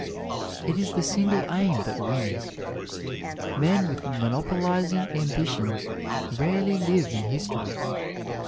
It is the single aim that wins. Men with monopolizing ambitions rarely live in history.